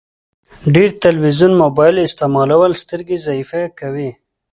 ډير تلويزون مبايل استعمالول سترګي ضعیفه کوی